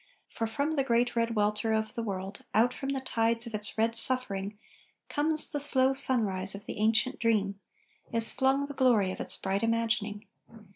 For from the great red welter of the world, Out from the tides of its red suffering Comes the slow sunrise of the ancient dream Is flung the glory of its bright imagining.